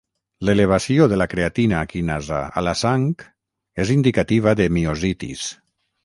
L'elevació de la creatina quinasa a la sang és indicativa de miositis.